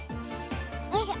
よいしょ。